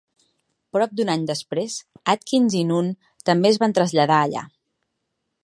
Prop d'un any després, Adkins i Nunn també es van traslladar allà.